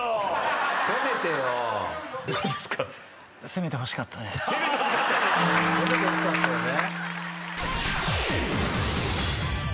・攻めてほしかったよね。